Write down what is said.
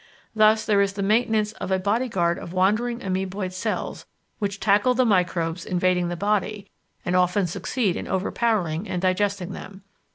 Thus there is the maintenance of a bodyguard of wandering amoeboid cells, which tackle the microbes invading the body and often succeed in overpowering and digesting them.